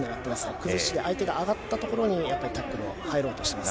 崩し、相手が上がったところにやっぱりタックルを入ろうとしています。